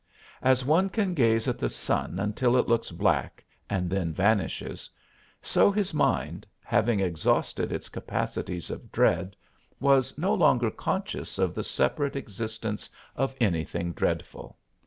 As one can gaze at the sun until it looks black and then vanishes, so his mind, having exhausted its capacities of dread, was no longer conscious of the separate existence of anything dreadful.